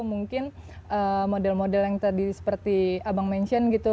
mungkin model model yang tadi seperti abang mention gitu